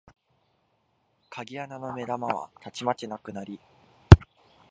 鍵穴の眼玉はたちまちなくなり、